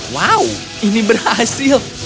wow ini berhasil